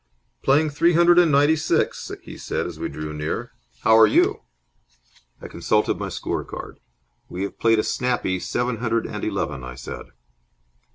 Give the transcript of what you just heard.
"Playing three hundred and ninety six," he said, as we drew near. "How are you?" I consulted my score card. "We have played a snappy seven hundred and eleven." I said.